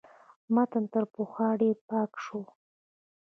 متن تر پخوا ډېر پاک شو.